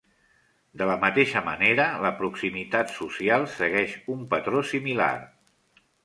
De la mateixa manera, la proximitat "social" segueix un patró similar.